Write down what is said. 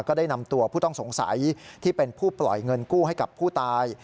ก็ได้นำตัวผู้ต้องสงสัยที่เป็นผู้ปล่อยเงินกู้ให้กับผู้ตาย